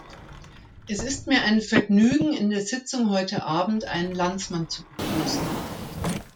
Es ist mir ein Vergnügen, in der Sitzung heute Abend einen Landsmann zu begrüßen.